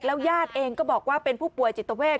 ญาติเองก็บอกว่าเป็นผู้ป่วยจิตเวท